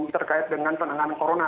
terkait dengan penanganan corona